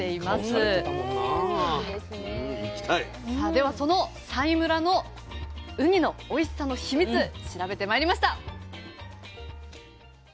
ではその佐井村のウニのおいしさの秘密調べてまいりました。